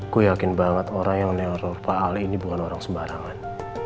kuyakin banget orang yang nirol fahali bukan orang sembarangan